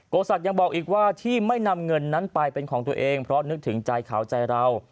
ศักดิ์ยังบอกอีกว่าที่ไม่นำเงินนั้นไปเป็นของตัวเองเพราะนึกถึงใจเขาใจเรา